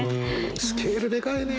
スケールでかいね。